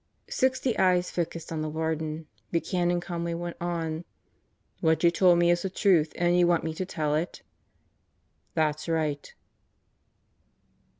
Sixty eyes focused on the Warden. Buchanan calmly went on: "What you told me is the truth and you want me to tell it?" "That's right."